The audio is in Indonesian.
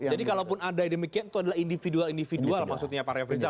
jadi kalau pun ada demikian itu adalah individual individual pak arief faisal